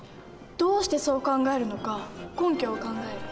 どうしてそう考えるのか根拠を考える。